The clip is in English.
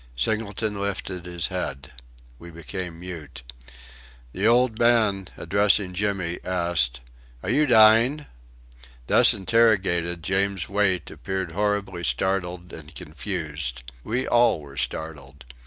Singleton lifted his head. We became mute. The old man, addressing Jimmy, asked: "Are you dying?" Thus interrogated, James Wait appeared horribly startled and confused. We all were startled.